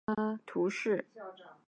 伊德圣罗克人口变化图示